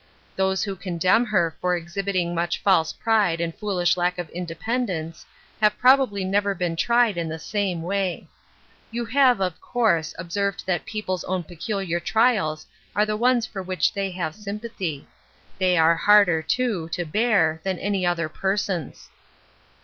Those who condemn her for exhibiting much false pride and foolish lack of indepen dence have probably never been tried in the same way. You have, of course, observed that peo ple's own peculiar trials are the ones for which they have sympathy. They are harder, too, to bear, than any other person's.